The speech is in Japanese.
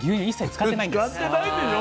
使ってないんでしょ？